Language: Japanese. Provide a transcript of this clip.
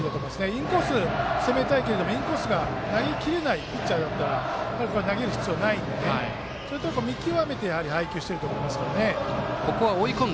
インコース攻めたいというよりインコースが投げきれないピッチャーだったら投げる必要はないんでそういうところを見極めてやはり配球していると思いますが。